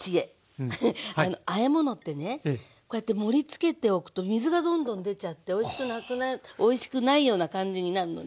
あえものってねこうやって盛りつけておくと水がどんどん出ちゃっておいしくないような感じになるのね。